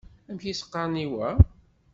Amek i s-qqaren i wa?